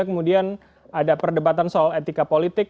kemudian ada perdebatan soal etika politik